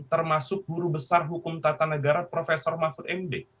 termasuk guru besar hukum tata negara prof mahfud md